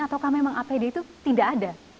ataukah memang apd itu tidak ada